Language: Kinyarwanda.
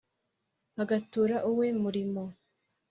agatura uwe mulimo